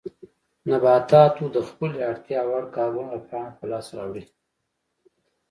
نباتاتو د خپلې اړتیا وړ کاربن له پاڼو په لاس راوړي.